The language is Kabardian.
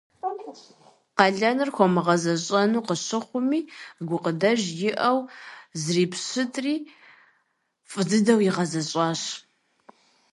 Къалэныр хуэмыгъэзэщӀэну къыщыхъуми, гукъыдэж иӀэу зрипщытри фӏы дыдэу игъэзэщӏащ.